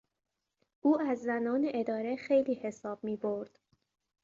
او از زنان اداره خیلی حساب میبرد.